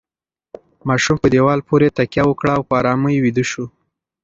ماشوم په دیوال پورې تکیه وکړه او په ارامۍ ویده شو.